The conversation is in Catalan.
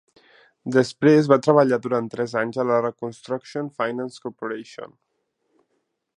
Després va treballar durant tres anys a la Reconstruction Finance Corporation.